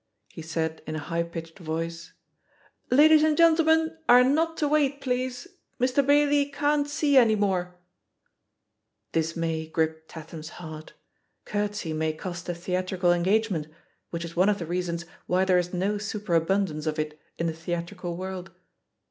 He said in a high pitched voice, Ladies and gentlemen are not to wait, please; Mr. Bailey can't see any morel" Dismay gripped Tatham's heart. Courtesy may cost a theatrical engagement, which is one of the reasons why there is no superabundance of it in the theatrical world.